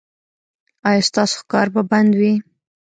ایا ستاسو ښکار به بند وي؟